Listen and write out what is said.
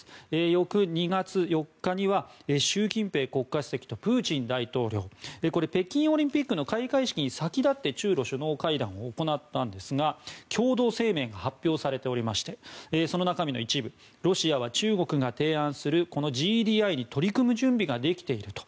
翌２月４日には習近平国家主席とプーチン大統領北京オリンピックの開会式に先立って中露首脳会談が行われたんですが共同声明が発表されておりましてその中身の一部ロシアは中国が提案するこのＧＤＩに取り組む準備ができていると。